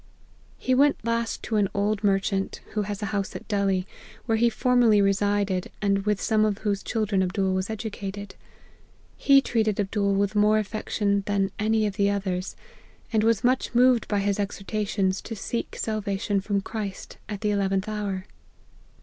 " He went last to the old merchant, who has a house at Delhi, where he formerly resided, and with some of whose children Abdool was educated. He treated Abdool with more affection than any of the others : and was much moved by his exhorta tions to seek salvation from Christ, at the eleventh hour.